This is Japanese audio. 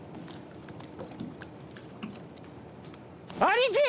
兄貴。